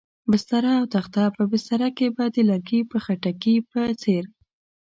بستره او تخته، په بستره کې به د لرګي په خټکي په څېر.